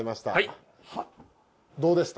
どうでした？